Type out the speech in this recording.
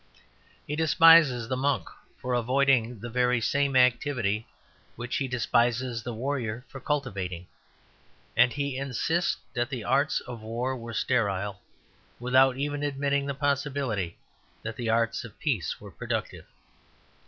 He despises the monk for avoiding the very same activities which he despises the warrior for cultivating. And he insists that the arts of war were sterile, without even admitting the possibility that the arts of peace were productive.